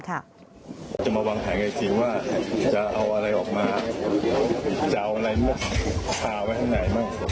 จะมาวางแข่งอย่างไรสิว่าจะเอาอะไรออกมา